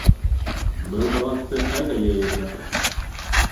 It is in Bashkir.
Был балаҫты ҡайҙа йәйергә?